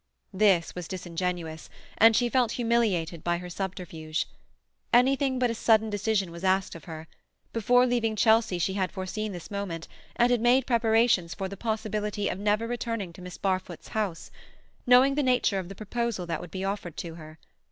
This was disingenuous, and she felt humiliated by her subterfuge. Anything but a sudden decision was asked of her. Before leaving Chelsea she had foreseen this moment, and had made preparations for the possibility of never returning to Miss Barfoot's house—knowing the nature of the proposal that would be offered to her.